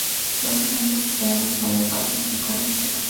Los ejemplos están en español para simplificar la explicación.